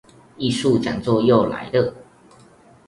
藝術講座又來了